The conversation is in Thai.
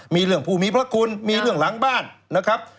มีเรื่องผู้มีพระคุณมีเรื่องหลังบ้านนะครับ